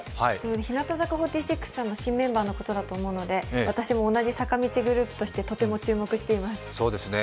日向坂４６さんの新メンバーのことだと思うので私も同じ坂道グループとして注目しています。